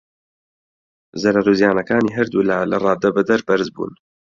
زەرەر و زیانەکانی هەردوو لا لە ڕادەبەدەر بەرز بوون.